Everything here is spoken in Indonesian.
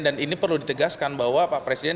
dan ini perlu ditegaskan bahwa pak presiden